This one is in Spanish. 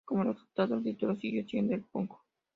Como resultado, el título siguió siendo de Punk.